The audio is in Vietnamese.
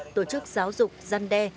tổ chức giáo dục giăn đe